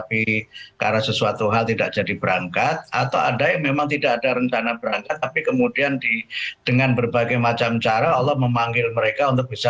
paling maksimal untuk bisa